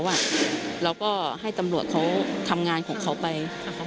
เราก็ให้ตำรวจเขาทำงานของเขาไป